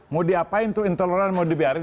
mau diapain tuh intoleran mau dibiarin